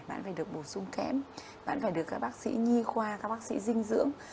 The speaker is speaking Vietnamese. bạn phải được bù sung kém bạn phải được các bác sĩ nhi khoa các bác sĩ dinh dưỡng